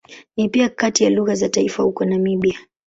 Ni pia kati ya lugha za taifa huko Namibia.